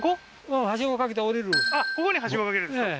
あっここに梯子掛けるんですか？